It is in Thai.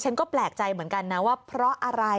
ฉันก็แปลกใจเหมือนกันนะว่าเพราะอะไร